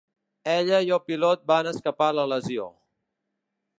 Ella i el pilot van escapar la lesió.